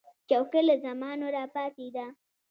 چوکۍ له زمانو راپاتې ده.